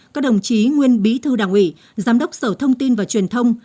các đồng chí nguyên bí thư đảng ủy giám đốc sở thông tin và truyền thông